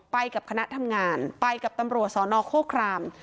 ไปกับคณะทำงานไปกับตำรวจสนโคคราม